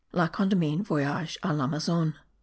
La Condamine, Voyage a l'Amazone.